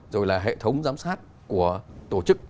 rồi là hệ thống giám sát của tổ chức